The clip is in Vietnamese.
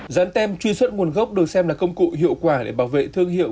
dán tem truy xuất nguồn gốc được xem là công cụ hiệu quả để bảo vệ thương hiệu